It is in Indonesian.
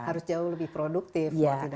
harus jauh lebih produktif